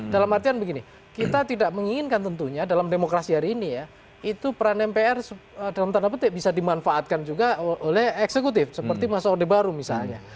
dalam artian begini kita tidak menginginkan tentunya dalam demokrasi hari ini ya itu peran mpr dalam tanda petik bisa dimanfaatkan juga oleh eksekutif seperti masa orde baru misalnya